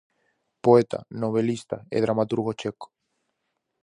Poeta, novelista e dramaturgo checo.